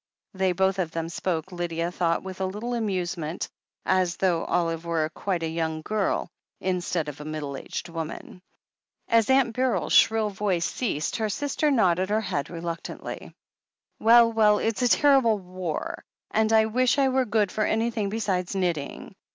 They both of them spoke, Lydia thought with a little amusement, as though Olive were quite a young girl, instead of a middle aged woman. As Aunt Beryl's shrill voice ceased, her sister nodded her head reluctantly. "Well, well, it's a terrible war, and I wish I were good for anything besides knitting.